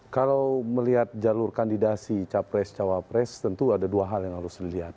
kalau melihat jalur kandidasi capres cawapres tentu ada dua hal yang harus dilihat